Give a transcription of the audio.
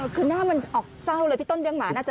คือหน้ามันออกเศร้าเลยพี่ต้นเลี้ยหมาน่าจะ